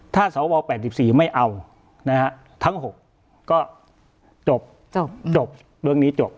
ถ้าสว๘๔ไม่เอานะฮะทั้ง๖ก็จบจบเรื่องนี้จบ